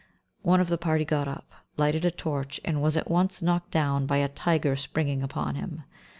One of the party got up, lighted a torch, and was at once knocked down by a tiger springing upon him.